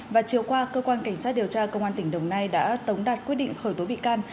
và chiều qua cơ quan cảnh sát điều tra công an tỉnh đồng nai đã tống đạt quyết định khởi tố bị can